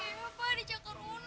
iya pak dijakar unang